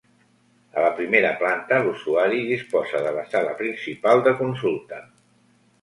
A la primera planta l’usuari disposa de la sala principal de consulta.